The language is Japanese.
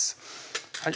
はい